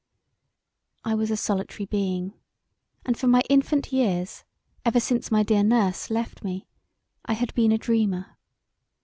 I was a solitary being, and from my infant years, ever since my dear nurse left me, I had been a dreamer.